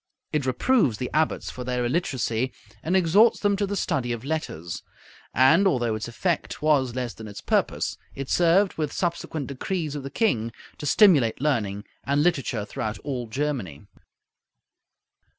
It reproves the abbots for their illiteracy, and exhorts them to the study of letters; and although its effect was less than its purpose, it served, with subsequent decrees of the king, to stimulate learning and literature throughout all Germany.